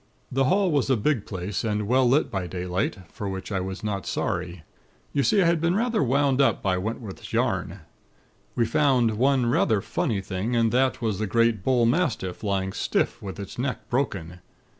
"The hall was a big place, and well lit by daylight; for which I was not sorry. You see, I had been rather wound up by Wentworth's yarn. We found one rather funny thing, and that was the great bullmastiff, lying stiff with its neck broken.